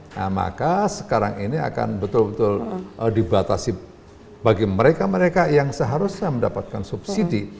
nah maka sekarang ini akan betul betul dibatasi bagi mereka mereka yang seharusnya mendapatkan subsidi